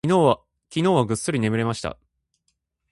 昨日はぐっすり眠れました。